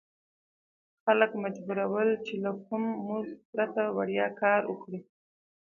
خلک مجبور ول چې له کوم مزد پرته وړیا کار وکړي.